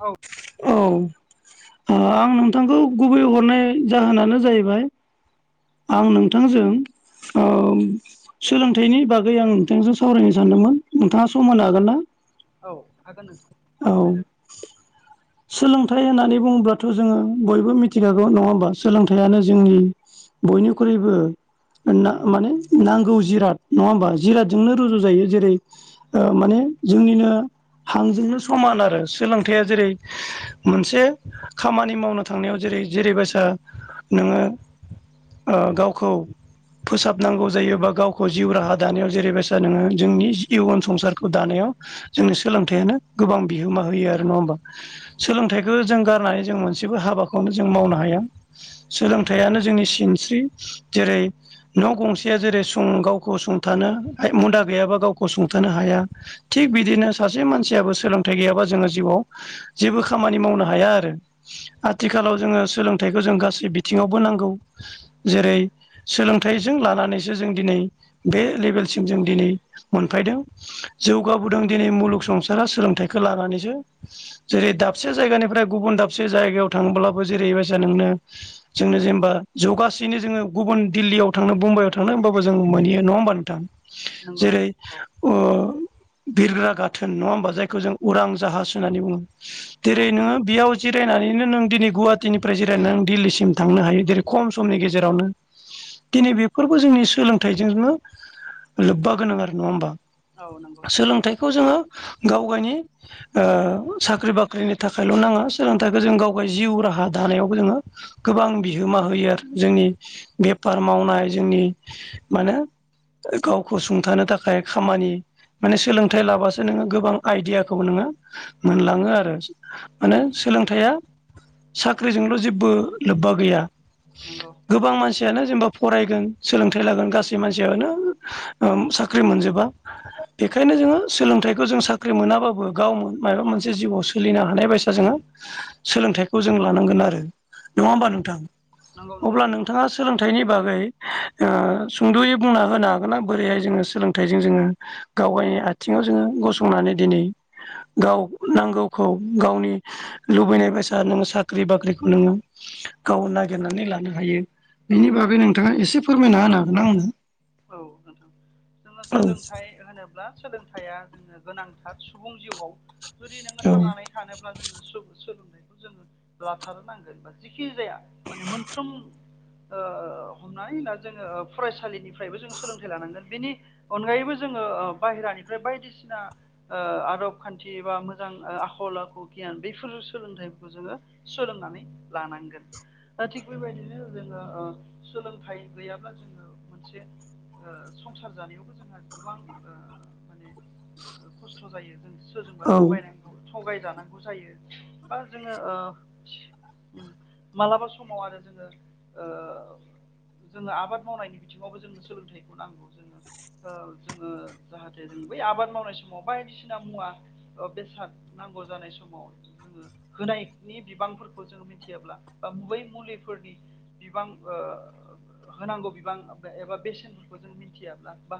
औ औ आं नोंथांखौ गुबै हरनाय जाहोनानो जाहैबाय आं नोंथांजों अ सोलोंथाइनि बागै आं नोंथांजों सावरायनो सानदोंमोन नोंथाङा सम होनो हागोन ना औ हागोन नोंथां औ सावरायजागोन सोलोंथाइ होननानै बुङोब्लाथ' जोङो बयबो मिथिखागौ नङा होमबा सोलोंथाइयानो जोंनि बयनिख्रुइबो माने नांगौ जिराद नङा होमबा जिरादजोंनो रुजु जायो जेरै अ नंगौ माने जोंनिनो हांजोंनो समान आरो सोलोंथाया जेरै मोनसे खामानि मावनो थांनायाव जेरै जेरैबायसा नोङो अ गावखौ फोसाबनांगौ जायो बा गावखौ जिउ राहा दानायाव जेरैबायसा नोङो जोंनि इयुन संसारखौ दानायाव जोंनि सोलोंथाइयानो गोबां बिहोमा होयो आरो नङा होमबा नंगौ सोलोंथाइखौ जों गारनानै जों मोनसेबो हाबाखौनो जों मावनो हाया सोलोंथाइयानो जोंनि सिन स्रि जेरै न' गंसेया जेरै सं गावखौ सुंथानो मुदा गैयाबा गावखौ सुंथानो हाया थिग बिदिनो सासे मानसियाबो सोलोंथाइ गैयाबा जोङो जिउआव जेबो खामानि मावनो हाया आरो आथिखालाव जोङो सोलोंथाइखौ जों गासै बिथिङावबो नांगौ जेरै सोलोंथाइजों लानानैसो जों दिनै बे लेभेलसिम जों दिनै मोनफैदों जौगाबोदों दिनै मुलुग संसारा सोलोंथाइखौ लानानैसो जेरै दाबसे जायगानिफ्राय गुबुन दाबसे जायगायाव थांब्लाबो जेरै मया नोंनो जो जेनेबा जगासिनो जो गुबुन दिल्लीयाव थांनो मुमबाइआव थाङनो होमबाबो जों मानियो नङा होमबा नोंथां नंगौ जेरै औ अ बिरग्रा गाथोन नङा होमबा जायखौ जों उरां जाहाज होननानै बुङो। औ जेरै नोङो नंगौ बेयाव जिरायनानै बिदिनो नों दिनै गुवाहाटिनिफ्राय जेराय नों दिल्लीसिम थांनो हायो जेरै खम समनि गेजेरावनो दिनै बेफोरबो जोंनि सोलोंथाइजोंनो लोब्बा गोनां आरो नङा होमबा। औ नंगौ नंगौ सोलोंथाइखौ जोङो गाव गावनि ओ साख्रि बाख्रिनि थाखायल' नाङा सोलोंथाइखौ जों गावबाय जिउ राहा दानायावबो जोङो गोबां बिहोम मा होयो आरो जोंनि बेफार मावनाय जोंनि मानो। गावखौ सुंथानो थाखाय खामानि माने सोलोंथाइ लाबासो नोङो गोबां आइदियाखौ नोङो मोनलाङो आरो मानो औ सोलोंथाइया साख्रिजोंल' जेबो लोब्बा गैया नंगौ औ गोबां मानसियानो जेनबा फरायगोन सोलोंथाइ लागोन गासै मानसियानो साख्रि मोनजोबा बेखायनो जोङो सोलोंथाइखौ जों साख्रि मोनाब्लाो गाव मोन माइबा मोनसे जिउआव सोलिनो हानाय बायसा जोङो सोलोंथाइखौ जों लानांगोन आरो नङा होमबा नोंथां नंगौ नोंथां अब्ला नंगौ नोंथाङा सोलोंथाइनि बागै अ सुंद'यै बुंना होनो हागोन ना बोरैहाय जोङो सोलोंथों जोङो गावनो आथिङाव जोङो गसंनानै दिनै गाव नांगौखौ गावनि लुबैनाय बायसा नोङो साख्रि बाख्रिखौ नोङो गाव नागिरनानै लानो हायो बेनि औ बागै नोंथाङा एसे फोरमायना होनागोन आंनो औ नोंथां जोङो औ सोलोंथाइ होनो ब्ला सोलोंथाइया जोंनो गोनांथार सुबुं जिउआव जुदि नोङो थांनानै थानोब्ला जोङो सो सो जों लाथारनो नांगोना जिखि जाया माने मोनफ्रोम अ हमनाय होना जोङो फरायसालिनिफ्रायबो जो सोलोंथाइ लानांगोन बिनि अनगायैबो जोङो बाहेरानिफ्राय बायदिसिना आदब खान्थि बा मोजां आखल आखु गियान बेफोर सोलोंथाइखौ जोङो सोलोंनानै लानांगोन अ थिग बेबायदिनो जोङो सोलोंथाइ गैयाब्ला जोङो मोनसे अ संसार जानायावबो जोंहा गोबां अ माने खस्थ' जायो जों सोरजोंबा औ थगायखौ थगायजानांगौ जायो बा जोङो ओ उ मालाबा समाव आरो जोङो ओ जोङो आबाद मावनायनि बिथिङावबो जोंनो सोलोंथाइखौ नांगौ जोङो ओ जोङो जाहाथे जों बै आबाद मावनाय समाव बाय दिसिना मुवा ओ बेसाद नांगौ जानाय समाव जोङो होनायनि बिबांफोरखौ जों मिथियाब्ला बा बै मुलिफोरनि बिबां ओ होनांगौ बिबां एबा बेसेनफोरखौ जों मिथियाब्ला बा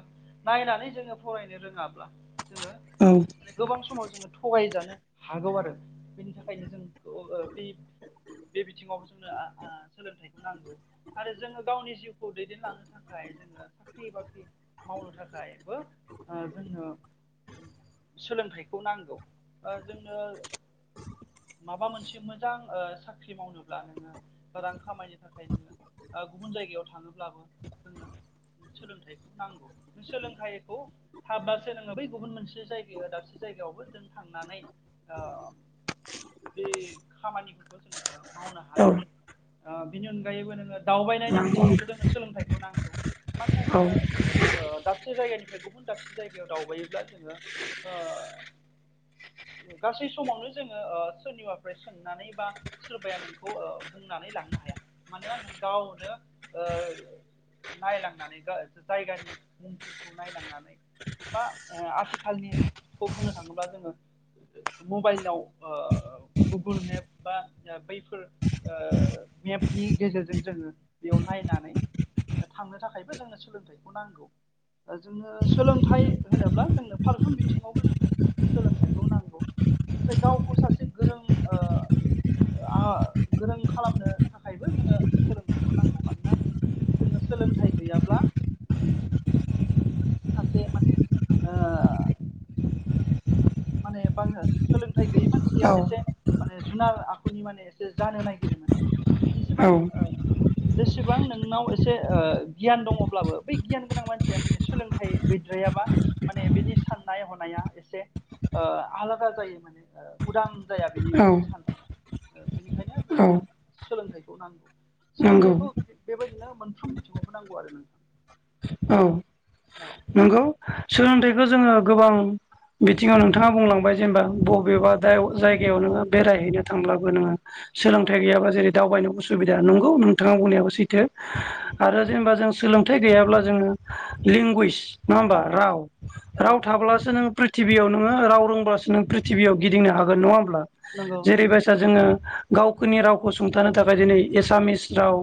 नायनानै जोङो फरायनो रोङाब्ला जोङो औ माने गोबां समाव जोङो थगायजानो हागौ आरो। बेनि थाखायनो जों ओ बे बे बिथिङाव जोंनो आ आ सोलोंथाइ नांगौ आरो जोङो गावनि जिउखौ दैदेनलांनो थाखाय जोङो साख्रि बाख्रि मावनो थाखायबो ओ जोंनो सोलोंथाइखौ नांगौ ओ जोंनो माबा मोनसे मोजां ओ साख्रि मावनोब्ला नोङो रां खामायनो थाखाय नोङो ओ गुबुन जायगायाव थाङोब्लाबो जोंनो [inaudible] सोलोंथाइखौ नांगौ नों सोलोंथाइखौ थाबासो नोङो बै गुबुन मोनसे जायगायाव दाबसे जायगायावबो जों थांनानै ओ [inaudible] बे खामानिफोरखौ जोङो मावनो औ हागोन ओ बिनि अनगायैबो नोङो दावबायनायनि नंगौ बिथिङावबो जोंनो सोलोंथाइखौ नांगौ। मानोना नोंथां औ जोङो ओ दाबसे जायगानि फ्राय गुबुन दाबसे जायगायाव दावबायोब्ला जोङो ओ [unintelligible] गासै समावनो जोङो ओ सोरनिबाफ्राय सोंनानै बा सोरबाया नोंखौ ओ बुंनानै लानो हा या मानोना नों गावनो ओ नायलांनानै गा जायगानि मुंफोरखौ नायलांनानै बा ओ आथिखालनिखौ बुंनो थाङोब्ला जोङो मबाइलाव आ गुगोल मेप बा आ बैफोर आ मेपनि गेजेरजों जोङो बेयाव नायनानै थांनो थाखायबो जोंनो सोलोंथाइखौ नांगौ। ओ जोङो सोलोंथाइ होनोब्ला जोंनो फारफ्रोम बिथिङावबो जोङो सोलोंथाइखौ नांगौ ओमफ्राय गावखौ सासे गोरों ओ ओ आ गोरों खालामनो थाखायबो जोङो सोलोंथाइखौ नांगौ मानोना जोङो सोलोंथाइ गैयाब्ला सासे माने आ माने बां ओ सोलोंथाइ गैयि मानसिया एसे औ माने जुनार आखुनि माने एसे जानो नागिरो माने जिसेबां ओ जेसेबां नोंनाव एसे ओ गियान दङब्लाबो बै गियान गोनां मानसिया माने सोलोंथाइ गैद्राया बा माने बिनि साननाय हनाया एसे ओ आलादा जायो माने ओ उदां जाया बिनि औ मोनसे साननाया ओ बेनि खायनो औ जोंनो सोलोंथाइखौ नांगौ नंगौ सोलोंथाइखौ बेबायदिनो मोनफ्रोम बिथिङावबो नांगौ आरो नोंथां। औ औ नंगौ सोलोंथाइखौ जोङो गोबां बिथिङाव नोंथाङा बुंलांबाय जेनेबा बबेबा दा जायगायाव नोङो बेरायहैनो थांब्लाबो नोङो औ सोलोंथाइ गैयाबा जेरै दावबायनो उसुबिदा नंगौ नोंथाङा बुंनायाबो सैथो। उम आरो जेनेबा जों सोलोंथाइ गैयाब्ला जोङो लेंगुवेज नङा होमबा राव। राव औ नंगौ थाब्लासो नों प्रिथिबियाव नोङो राव रोंबासो नों प्रिथिबियाव गिदिंनो हागोन नङा होमब्ला? नंगौ जेरैबायसा जोङो गावखौनि रावखौ सुंथानो थाखाय दिनै एसामिस राव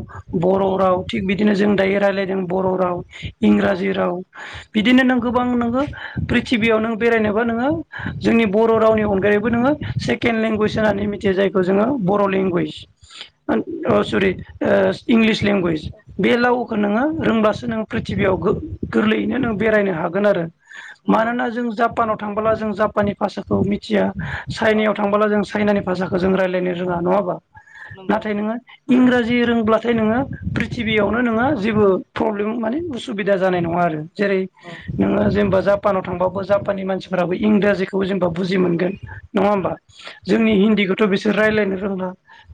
बर उम राव थिग बिदिनो जों दायो रायलायदों बर राव। औ इंराजि राव नंगौ बिदिनो नों गोबां नोङो प्रिथिबियाव नों बेरायनोबा नोङो जोंनि बर रावनि अनगायैबो नोङो सेकेण्ड लेंगुवेज होननानै मिथियो जायखौ जोङो बर लेंगुइज आ सरि आ इंलिज लेंगुवेज बे औ लावखौ नोङो रोंबसो नों प्रिथिबियाव गोरलैयैनो नों बेरायनो हागोन आरो। नंगौ मानोना जों जापानाव थांबोला जों जापाननि भाषाखौ मिथिया औ चाइनायाव थांबोला जों चाइनानि भाषाखौ जों रायज्लायनो रोङा नङा हाबा? नंगौ नाथाय नोङो इंराजि रोंब्लाथाय नोङो प्रिथिबियावनो नोङो जेबो प्रब्लेम माने उसुबिदा जानाय नङा आरो। जेरै औ नोङो जेनेबा जापानाव थांबाबो जापानिनि मानसिफोराबो इंराजिखौ जेनेबा बुजि मोनगोन। नङा होमबा? जोंनि नंगौ हिन्दीखौथ' बेसे बिसोर रायज्लायनो रोंला।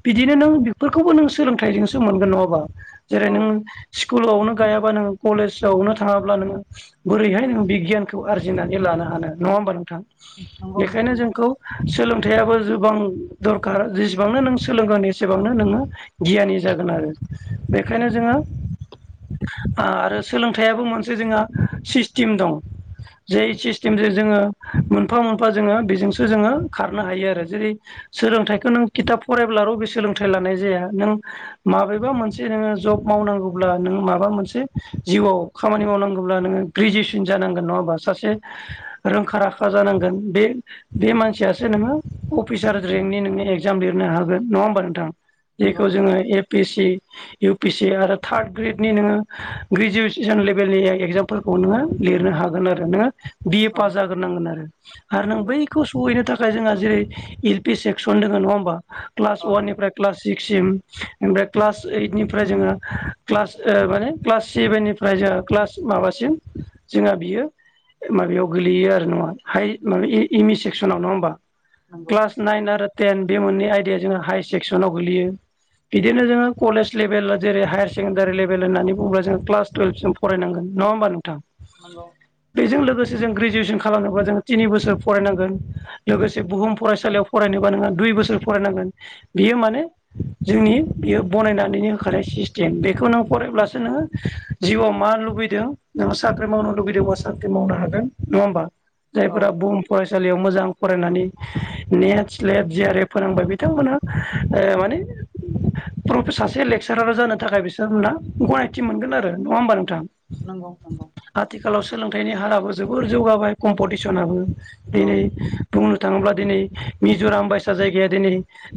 बिदिनो नों बेफोरखौबो नों सोलोंथाइजोंसो मोनगोन नङाबा? जेरै औ नोंङ स्कुलावनो गायाबा नों कलेजावनो थाङाब्ला नोङो बोरैहाय नों बिगियानखौ आरजिनानै लानो हानो। नङा होमबा नोंथां? नंगौ नोंथां बेखायनो नंगौ जोंखौ सोलों थायाबो गोबां दरखार जेसेबांनो नों सोलोंगोन एसेबांनो नोङो गियानि जागोन आरो। बेखायनो नंगौ जोङो आरो सोलोंथाइयाबो मोनसे जोंहा सिस्टेम दं। जे सिस्टेमजों जोङो मोनफा मोनफा जोङो बेजोंसो जोङो खारनो हायो। आरो जेरै सोलोंथाइखौ नों खिथाब फरायब्ला जब मावनांगौब्ला नों माबा मोनसे जिउआव खामानि मावनांगौब्ला नोङो ग्रेजुवेसन जानांगोन नङा होमबा? सासे रोंखा राखा जानांगोन बे बे मानसियासो नोङो अफिसार रेंकनि नोङो एगजाम लिरनो हागोन। नङा होमबा नोंथां? नंगौ जेखौ जोङो A P C U P C आरो थार्ड ग्रेडनि नोङो ग्रेजुवेसन लेभेलनि एगजामफोरखौ नोङो लिरनो हागोन आरोना। बि ए औ पास जाग्रोनांगोन आरो। आरो नों नंगौ बैखौ सहैनो थाखाय थाखाय जोंहा जेरै एल पि सेक्सन दङ नङा होमबा? क्लास औ अवाननिफ्राय क्लास सिक्ससिम ओमफ्राय क्लास ओइटनिफ्राय जोङो क्लास ओ माने क्लास सेभेननिफ्राय जोंहा क्लास माबासिम जोंहा बियो माबायाव गोलैयो आरो नङा हाइ माब इमि सेक्सनाव नङामबा? नंगौ क्लास नाइन आरो टेन बे मोननै आयडाया जोंहा हाय सेक्सनाव गोग्लैयो। औ बिदिनो जोङो कलेज लेभेल जेरै हायार सेकेण्डारि लेभेल होननानै होनब्ला जोङ क्लास थुयल्भ फरायनांगोन नङा होमबा नोंथां? [inaudible] बेजों लोगोसे जों ग्रेजुवेसन खालामनोबा जोङो थिनि बोसोर फरायनांगोन। लोगोसे बुहुम फरायसालियाव फरायनोबा नोङो दुइ बोसोर फरायनांगोन। बियो माने जोंनि बियो बनायनानैनो होखानाय सिस्टेम। बेखौ नों फरायब्लासो नोङो जिउआव मा लुबैदों नोङो साख्रि मावनो लुुबैदोंबा साख्रि मावनो हागोन। नङा होमबा? औ जायफोरा बुहुम नंगौ फरायसालियाव मोजां फरायनानै नेट सेलेब जि रए फोरोंबाय बिथांमोनहा माने प्रफ सासे लेक्सारार जानो थाखाय बिसोरना गनायथि मोनगोन आरो। नङा होमबा नोंथां? नंगौ। आथिखालाव सोलोंथाइनि हाराबो जोबोर जौगाबाय कम्पिटिसनाबो औ दिनै बुंनो थाङोब्ला दिनै मिज'राम बायसा जायगाया दिनै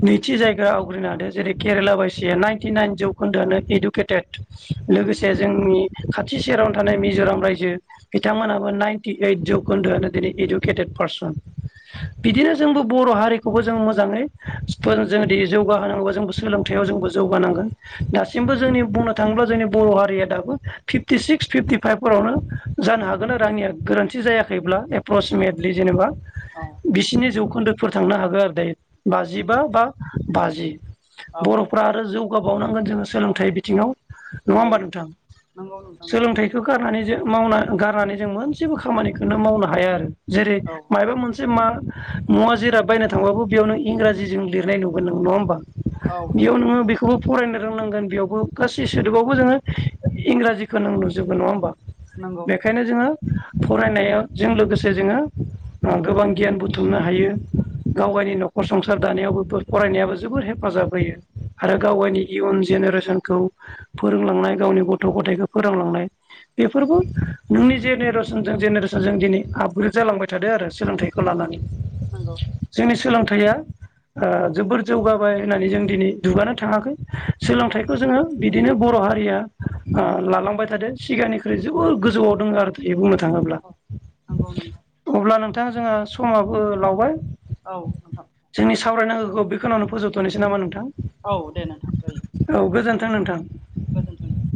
नैथि जायगा आवग्रिनो हादों जेरै केरेला बायसि जे नाइनटि नाइन जौखोन्दोआनो इडुकेटेड नंगौ लोगोसे जोंनि खाथि सेरावनो थानाय मिज'राम रायजो बिथांमोनाबो नाइन्टि ओइट जौखोन्दोआनो दिनै इडुकेटेड फोरसुन बिदिनो जोंबो बर' हारिखौबो जों मोजाङै जोङो दि जौगाहोनांगौबा जोंबो सोलोंथाइयाव जोंबो जौगानांगोन। दासिमबो जोंनि बुंनो थाङोब्ला जोंनि बर' हारिया दाबो फिफ्टि सिक्स फिफ्टि फाइभफोरावनो जानो हागोन आरो रांनिया गोरोन्थि जायाखैब्ला एप्रक्सिमेटलि जेनेबा औ औ बिसिनि जौखोन्दोफोर थांनो हागौ आरो दायो। बाजिबा नंगौ बा बाजि औ औ बर'फ्रा आरो जौगाब बावनांगोन जोङो सोलोंथाइ बिथिङाव नङा नंगौ होमबा नोंथां नंगौ नोंथां नंगौ सोलोंथाइखौ गारनानै जों मावना गारनानै जों मोनसेबो खामानिखौनो मावनो हाया आरो जेरै औ मायाबा मोनसे मा मुवा जिरा बायनो थांबाबो बेयावनो इंराजिजों लिरनाय नुगोन नों नङा होमबा औ बेयाव नंगौ नोङो बेखौबो फरायनो रोंनांगोन बेयावबो गा -सै सोदोबावबो जोङो इंराजिखौ नों नुजोगबो नङा होमबा नंगौ बेखायनो जोङो फरायनायजों लोगोसे जोङो गोबां गियान बुथुमनो हायो गाव गावनि नखर संसार दानायावबो फरायनायाबो जोबोर हेफाजाब होयो आरो गाव नंगौ गावनि इयुन जेनेरेसनखौ फोरोंलांनाय गावनि गथ' गथायखौ फोरोंलांनाय बेफोरबो नोंनि जेनेरेसन जों जेनेरेसनजों दिनै आपग्रेड जालांबाय थादों आरो सोलोंथाइखौ लानानै नंगौ जोंनि सोलोंथाइ थाया जोबोर जौगाबाय होननानै जों दिनै दुगानो थाङाखै नंगौ सोलोंथाइखौ जोङो‌ बिदिनो बर' हारिया उम‌ लालांबाय थादों सिगांनिख्रुइ जोबोद गोजौआव दङ आरो थायो बुंनो थ थाङोब्ला औ नंगौ नंगौ अब्ला नोंथा जोङो समाबो लावबाय औ नोंथां जोंनि सावरायनांगौखौ बे खिनावनो फोजोबथ'नोसै नामा नोंथां औ दे नोंथां जायो नोंथां नोंथां गोजोन्थों